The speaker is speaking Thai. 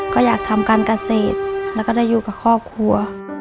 ก็อยากทำการเกษตรแล้วก็ได้อยู่กับครอบครัว